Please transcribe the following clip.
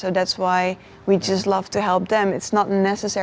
jadi itulah mengapa kami suka membantu mereka